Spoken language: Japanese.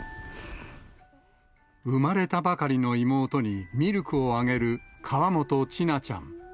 産まれたばかりの妹にミルクをあげる、河本千奈ちゃん。